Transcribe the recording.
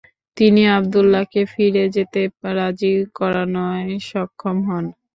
তিনি আবদুল্লাহকে ফিরে যেতে রাজি করানোয় সক্ষম হন।